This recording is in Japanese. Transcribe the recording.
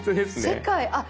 世界あっ！